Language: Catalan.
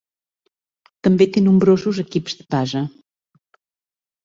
També té nombrosos equips base.